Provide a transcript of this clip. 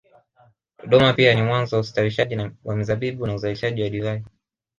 Dodoma pia ni mwanzo wa ustawishaji wa mizabibu na uzalishaji wa divai